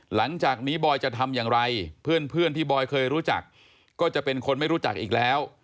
หลังจากนี้บอยจะทำอย่างไรเพื่อนที่บอยเคยรู้จักก็จะเป็นคนไม่รู้จักอีกแล้ว